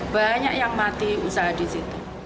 banyak yang mati usaha disitu